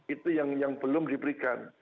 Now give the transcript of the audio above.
itu yang belum diberikan